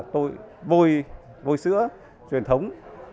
tôi vôi sữa truyền thống